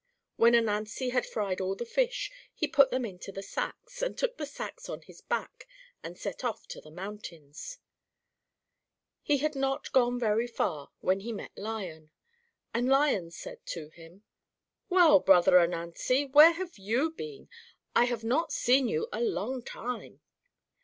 When Ananzi had fried all the fish, he put them into the sacks, and took the sacks on his back, and set off to the mountains. He had not gone very far when he met Lion, and Lion said to him: "Well, brother Ananzi, where have you been? I have not seen you a long time."